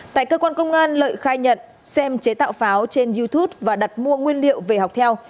tại cơ quan công an lợi khai nhận xem chế tạo pháo trên youtube và đặt mua nguyên liệu về học theo